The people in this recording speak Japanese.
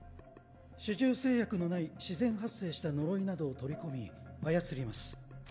主従制約のない自然発生した呪いなどを取り込み操ります。